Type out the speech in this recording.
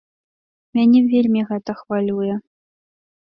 Мяне вельмі гэта хвалюе.